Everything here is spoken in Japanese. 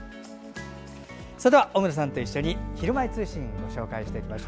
それでは、小村さんと一緒に「ひるまえ通信」ご紹介します。